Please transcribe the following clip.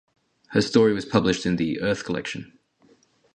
Her story was published in the 'Earth' collection.